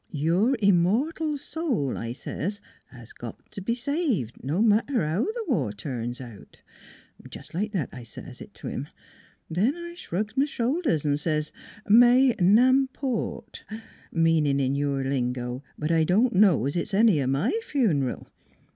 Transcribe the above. ' Your immortal soul,' I says, ' has got t' be saved, no matter how th' war turns out.' Jes' like that I says t' 'im. Then I shrugs m' shoulders an' says, ' may nam port,' meanin' in your lingo :' but I don' know 's it's any o' my fun'ral.'